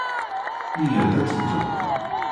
Yya-d ad tedduḍ.